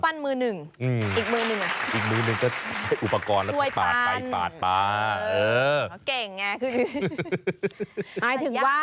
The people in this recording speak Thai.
ปั้นมือหนึ่งอีกมือหนึ่ง